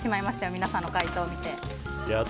皆さんの回答を見て。